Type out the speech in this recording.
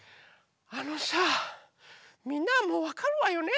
あのさあみんなはもうわかるわよね？